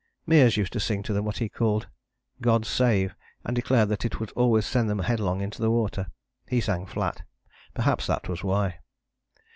" Meares used to sing to them what he called 'God save,' and declared that it would always send them headlong into the water. He sang flat: perhaps that was why.